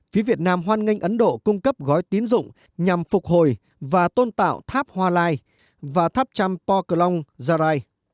phía việt nam hoan nghênh ấn độ cung cấp gói tín dụng nhằm phục hồi và tôn tạo tháp hoa lai và tháp trăm poclong gia rai